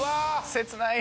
切ない。